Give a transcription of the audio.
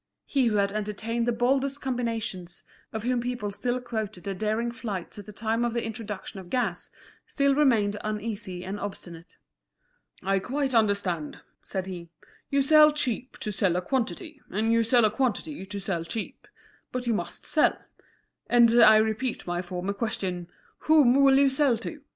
He who had entertained the boldest combinations, of whom people still quoted the daring flights at the time of the introduction of gas, still remained uneasy and obstinate. "I quite understand," said he; "you sell cheap to sell a quantity, and you sell a quantity to sell cheap. But you must sell, and I repeat my former question: Whom will you sell to?